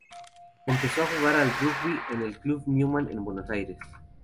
Empezó a jugar al rugby en el Club Newman en Buenos Aires.